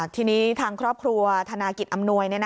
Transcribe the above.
ทีนี้ทางครอบครัวธนากิจอำนวย